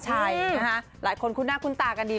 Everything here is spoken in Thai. ดูใหนอะฮัทหลายคนคุ้นหน้าคุ้นตากำดี